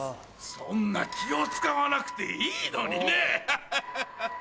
そんな気を使わなくていいのにねハハハ！